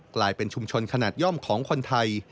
กลายเป็นชุมชนขนาดย่อมของคนไทย